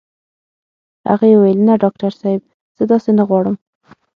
هغې وويل نه ډاکټر صاحب زه داسې نه غواړم.